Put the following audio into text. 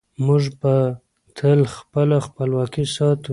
موږ به تل خپله خپلواکي ساتو.